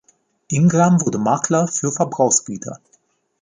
Ingram wurde Makler für Verbrauchsgüter.